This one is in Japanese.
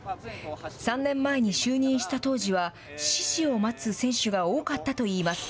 ３年前に就任した当時は指示を待つ選手が多かったと言います。